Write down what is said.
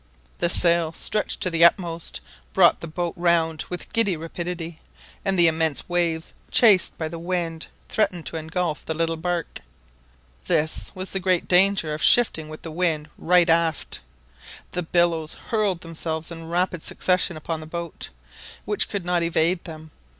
The sail, stretched to the utmost, brought the boat round with giddy rapidity, and the immense waves, chased by the wind, threatened to engulf the little bark. This was the great danger of shifting with the wind right aft. The billows hurled themselves in rapid succession upon the boat, which could not evade them.